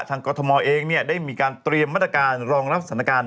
กรทมเองได้มีการเตรียมมาตรการรองรับสถานการณ์